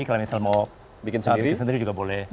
kalau misalnya mau bikin sendiri juga boleh